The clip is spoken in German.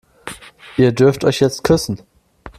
Ihr dürft euch jetzt küssen.